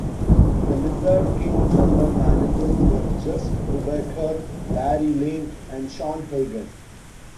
The Lizard King General managers were Jeff Brubaker, Larry Lane, and Shawn Hegan.